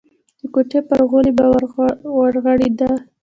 د کوټې پر غولي به ورغړېد.